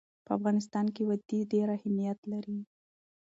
په افغانستان کې وادي ډېر اهمیت لري.